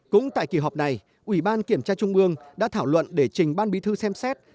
cũng tại kỳ họp này ủy ban kiểm tra trung ương đã thảo luận để trình ban bí thư xem xét